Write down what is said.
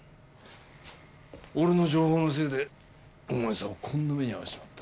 俺の情報のせいでお前さんをこんな目に遭わせちまった。